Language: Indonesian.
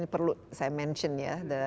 perlu saya mention ya